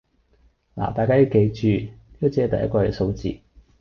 那大家要記住，呢個只係第一季嘅數字